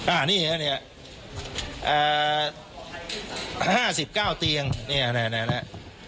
อ่านี่เนี่ยเนี่ยอ่าห้าสิบเก้าเตียงเนี่ยเนี่ยเนี่ยเนี่ย